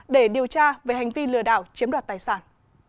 để điều tra về hành vi lừa đảo chiếm đoạt tài sản